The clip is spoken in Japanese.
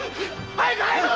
早く早く！